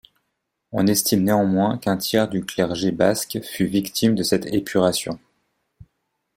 On estime néanmoins qu'un tiers du clergé basque fut victime de cette épuration.